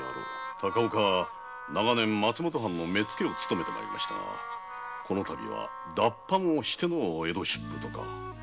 高岡は長年松本藩の目付を勤めてまいりましたがこのたびは脱藩をしてのお江戸出府とか。